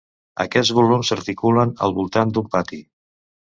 Aquests volums s'articulen al voltant d'un pati.